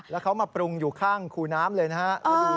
แล้วเขามาปรุงอยู่ข้างคูน้ำเลยนะครับ